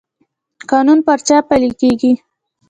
قانون پر چا پلی کیږي؟